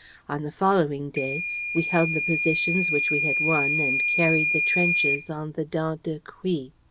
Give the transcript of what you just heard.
On the following day, we held the positions which we had won and carried the trenches on the Dent de Crouy.